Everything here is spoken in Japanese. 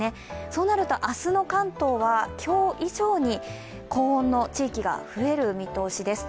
そうなると明日の関東は今日以上に高温の地域が増える見通しです。